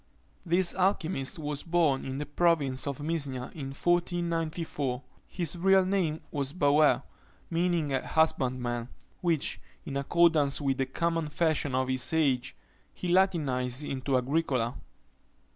This alchymist was born in the province of Misnia, in 1494. His real name was Bauer, meaning a husbandman, which, in accordance with the common fashion of his age, he latinised into Agricola.